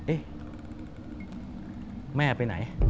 แม่ไปไหน